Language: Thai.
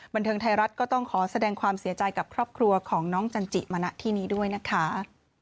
บันเทิงไทยรัฐก็ต้องขอแสดงความเสียใจกับครอบครัวของน้องจันจิมาณที่นี้ด้วยนะคะ